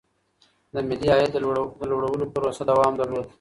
د ملي عايد د لوړولو پروسه دوام درلود.